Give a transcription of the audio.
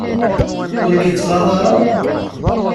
Ur k-ittɣaḍ ara?